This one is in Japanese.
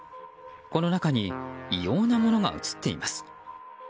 この中に異様なものが映っています。